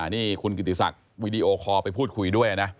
นี่คุณกิติศักดิ์วีดีโอคอลไปพูดคุยด้วยนะ